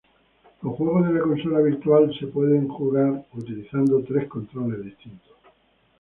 Los juegos de la consola virtual pueden ser jugados utilizando tres controles distintos.